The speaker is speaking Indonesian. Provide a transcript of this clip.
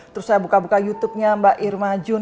terus saya buka buka youtubenya mbak irma jun